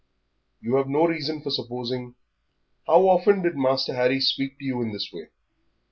"You have no reason for supposing How often did Master Harry speak to you in this way?"